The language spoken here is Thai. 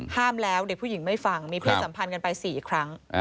ห้ามแล้วเด็กผู้หญิงไม่ฟังมีเพศสัมพันธ์กันไป๔ครั้ง